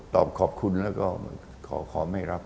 ขอบคุณแล้วก็ขอไม่รับ